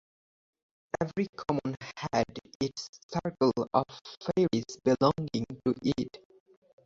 Every common had its circle of fairies belonging to it.